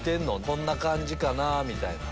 こんな感じかなぁみたいな。